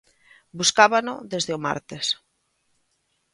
Buscábano desde o martes.